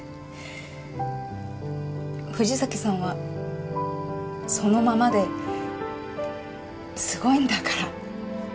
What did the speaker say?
藤崎さんはそのままですごいんだから。